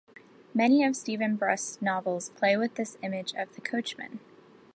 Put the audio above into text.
Many of Steven Brust's novels play with this image of the coachman.